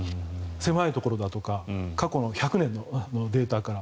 狭いところだとか過去１００年のデータから。